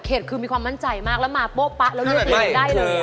คือมีความมั่นใจมากแล้วมาโป๊ปะแล้วเลือกเรียนได้เลย